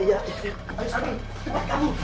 suami tidak akan aku sakiti